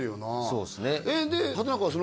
そうです